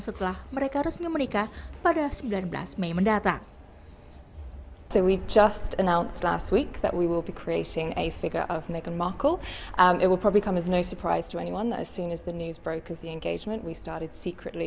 setelah mereka resmi menikah pada sembilan belas mei mendatang